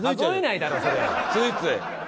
ついつい。